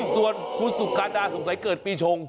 ส่วนคุณสุการดาสงสัยเกิดปีชง